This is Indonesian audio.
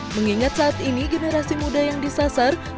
mengingat saat ini generasi muda yang disasar